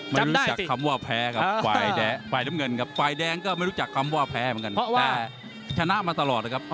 ไม่รู้จักคำว่าแพ้ครับปลายแดงก็ไม่รู้จักคำว่าแพ้เหมือนกันแต่ชนะมาตลอดครับ